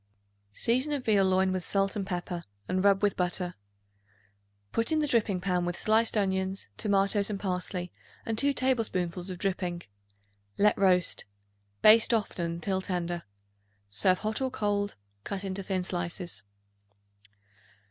Season a veal loin roast with salt and pepper and rub with butter. Put in the dripping pan with sliced onions, tomatoes and parsley and 2 tablespoonfuls of dripping. Let roast; baste often until tender. Serve hot or cold, cut into thin slices.